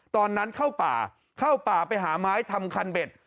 เข้าป่าเข้าป่าไปหาไม้ทำคันเบ็ด